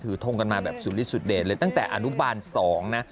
ถือทงกันมาแบบสุดเลยตั้งแต่อนุบาล๒นะ